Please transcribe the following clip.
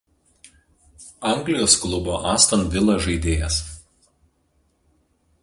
Anglijos klubo Aston Villa žaidėjas.